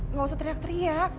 enggak usah teriak teriak